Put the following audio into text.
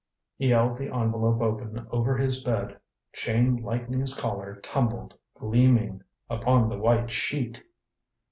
He held the envelope open over his bed. Chain Lightning's Collar tumbled, gleaming, upon the white sheet!